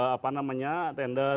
apa namanya tender